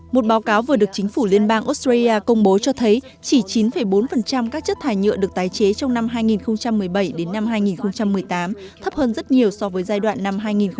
một báo cáo vừa được chính phủ liên bang australia công bố cho thấy chỉ chín bốn các chất thải nhựa được tái chế trong năm hai nghìn một mươi bảy đến năm hai nghìn một mươi tám thấp hơn rất nhiều so với giai đoạn năm hai nghìn một mươi bảy